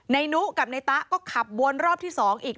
นายนุกับนายต๊ะก็ขับวนรอบที่สองอีก